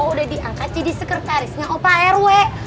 udah diangkat jadi sekretarisnya opa rw